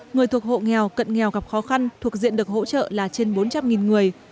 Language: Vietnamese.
người thuộc hộ nghèo cận nghèo gặp khó khăn thuộc diện được hỗ trợ là trên bốn trăm linh người